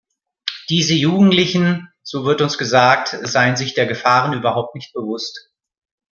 Diese Jugendlichen, so wird uns gesagt, seien sich der Gefahren überhaupt nicht bewusst.